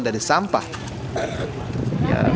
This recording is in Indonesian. tapi bagaimana dengan sampah